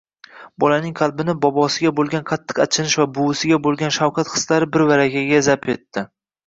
Bolaning qalbini bobosiga boʻlgan qattiq achinish va buvisiga boʻlgan shafqat hislari birvarakayiga zabt etdi.